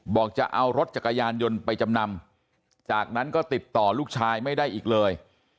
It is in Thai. บอกจะเอารถจักรยานยนต์ไปจำนำจากนั้นก็ติดต่อลูกชายไม่ได้อีกเลย